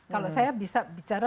kalau saya bisa bicara